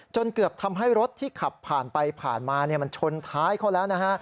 เกือบทำให้รถที่ขับผ่านไปผ่านมามันชนท้ายเขาแล้วนะฮะ